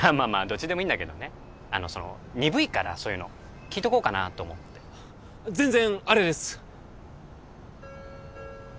どっちでもいいんだけどねあのその鈍いからそういうの聞いとこうかなと思って全然アレです！